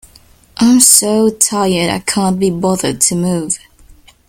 I'm so tired, I can't be bothered to move.